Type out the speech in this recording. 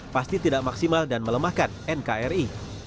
pasti tidak maksimal dan melemahkan nkri